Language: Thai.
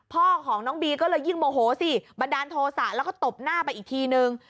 พ่อของน้องบีก็เลยยิ่งโมโหสิบันดาลโทษะแล้วก็ตบหน้าไปอีกทีนึง